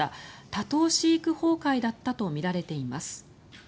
多頭飼育崩壊だったとみられています。